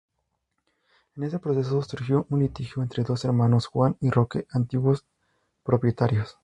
En ese proceso surgió un litigio entre dos hermanos: Juan y Roque, antiguos propietarios.